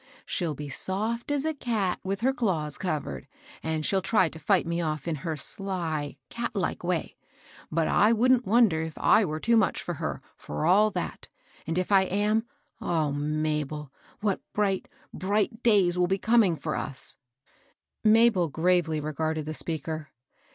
She'll be soft as a cat with her claws covered, and she'll try to fight me off^ in her sly, cat like way; but I wouldn't wonder if I were too much for her, for all that. And if I am, O Mabel ! what bright, bright days will be coming for us I " Mabel gravely regarded the speiker.